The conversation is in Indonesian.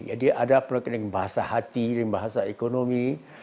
jadi ada pendekatan dengan bahasa hati dengan bahasa ekonomi